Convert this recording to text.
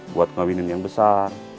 buat ngawinin yang besar